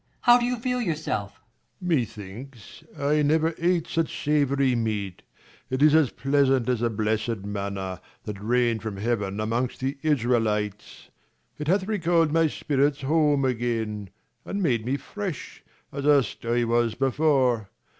how do you feel yourself ? Leir. Methinks, I never ate such savoury meat : It is as pleasant as the blessed manna, That rain'd from heaven amongst the Israelites : no It hath recallM my spirits home again, And made me fresh, as erst I was before.